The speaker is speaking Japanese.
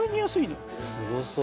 すごそう。